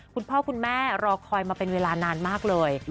คุณพ่อคุณแม่รอคอยมาเป็นเวลานานมากเลย